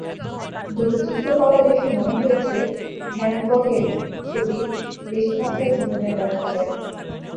দুটো চিত্রকলা দেখে মনে হয়েছে, ভ্যানগঘের ছবি বেশি মাত্রায় জীবনের ব্যাখ্যা দেয়।